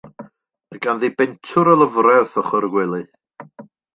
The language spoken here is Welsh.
Mae ganddi bentwr o lyfre wrth ochr y gwely.